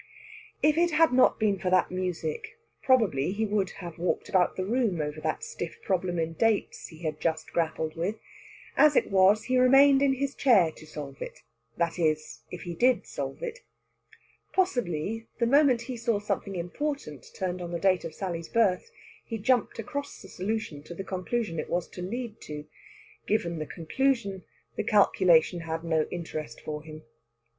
If it had not been for that music, probably he would have walked about the room over that stiff problem in dates he had just grappled with. As it was, he remained in his chair to solve it that is, if he did solve it. Possibly, the moment he saw something important turned on the date of Sally's birth, he jumped across the solution to the conclusion it was to lead to. Given the conclusion, the calculation had no interest for him.